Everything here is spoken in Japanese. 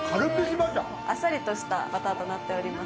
あっさりとしたバターとなっております。